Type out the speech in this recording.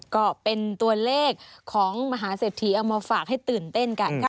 ก็เป็นตัวเลขของมหาเศรษฐีเอามาฝากให้ตื่นเต้นกันค่ะ